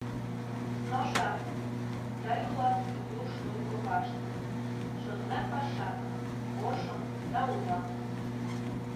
Но шарне: тый улат ю шнуй копаште, Шотлем пашатым — ошым да удам.